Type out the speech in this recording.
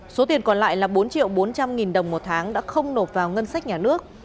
số tiền còn lại là bốn triệu bốn trăm linh nghìn đồng một tháng đã không nộp vào ngân sách nhà nước